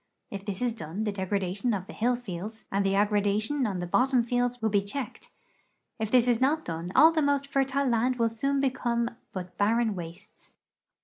If this is done the degradation of the hill fields and the aggradation on the bottom fields will be checked; if this is not done all the most fertile land will soon become but barren wastes.